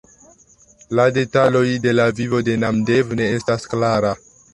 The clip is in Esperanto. La detaloj de la vivo de Namdev ne estas klara.